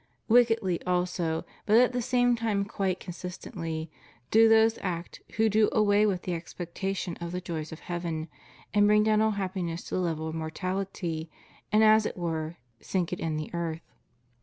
Wickedly also, but at the same time quite consistently, do those act who do away with the expectation of the joys of heaven, and bring down all happiness to the level of mortaUty, and, as it were, sink it in the earth.